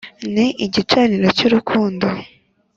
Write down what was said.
ni igicaniro cy’urukundo